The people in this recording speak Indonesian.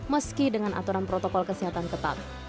meski dengan aturan protokol kesehatan ketat